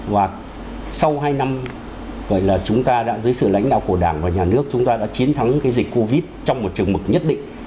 và sau hai năm gọi là chúng ta đã dưới sự lãnh đạo của đảng và nhà nước chúng ta đã chiến thắng cái dịch covid trong một trường mực nhất định